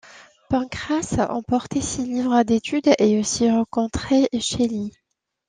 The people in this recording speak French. Pancrass, emportait ses livres d'études et aussi rencontrait Shelley.